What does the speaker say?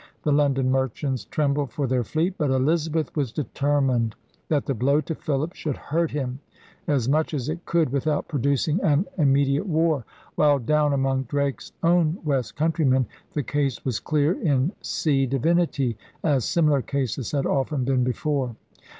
The London merchants trembled for their fleet. But Elizabeth was determined that the blow to Philip should hurt him as much as it could without producing an immediate war; while down among Drake's own West Countrymen 'the case was clear in sea divinitie,' as similar cases had often been before.